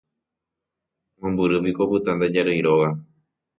Mombyrýpiko opyta nde jarýi róga.